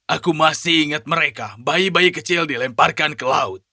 aku masih ingat mereka bayi bayi kecil dilemparkan ke laut